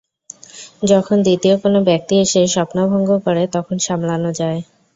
যখন দ্বিতীয় কোন ব্যক্তি এসে স্বপ্নভঙ্গ করে তখন সামলানো যায়।